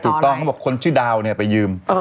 ถูกต้องเขาบอกว่าคนชื่อดาวไปยืม